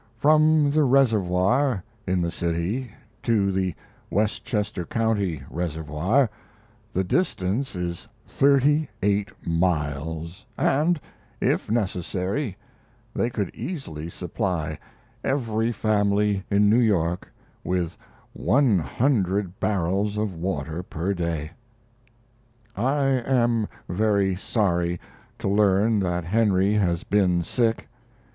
From the reservoir in the city to the Westchester County reservoir the distance is thirty eight miles and, if necessary, they could easily supply every family in New York with one hundred barrels of water per day! I am very sorry to learn that Henry has been sick.